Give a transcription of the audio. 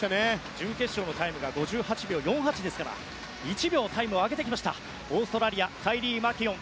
準決勝のタイムが５８秒４８ですから１秒タイムを上げてきたオーストラリアカイリー・マキュオン。